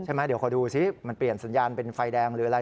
ใช่ไหมเดี๋ยวขอดูสิมันเปลี่ยนสัญญาณเป็นไฟแดงหรืออะไร